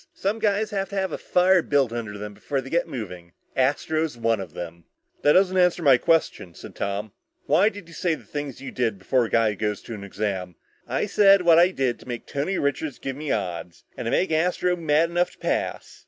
Some guys have to have a fire built under them before they get moving. Astro's one of them." "That doesn't answer my question," said Tom. "Why did you say the things you did before a guy goes to take an exam?" "I said what I did to make Tony Richards give me odds. And to make Astro mad enough to pass.